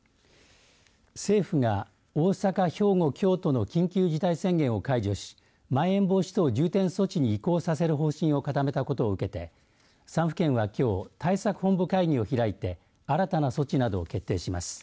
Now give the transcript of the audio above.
政府が大阪、兵庫、京都の緊急事態宣言を解除しまん延防止等重点措置に移行させる方針を固めたことを受けて３府県はきょう対策本部会議を開いて新たな措置などを決定します。